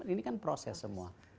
ini kan proses semua